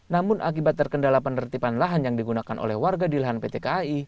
namun akibat terkendala penertiban lahan yang digunakan oleh warga di lahan pt kai